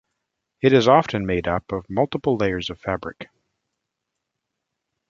It is often made up of multiple layers of fabric.